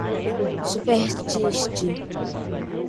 supérstite